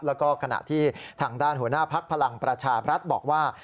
แล้วก็ขณะที่ทางด้านหัวหน้าภักดิ์พลังประชาบรัฐบอกว่า